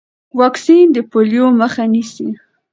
واکسین د پولیو مخه نیسي۔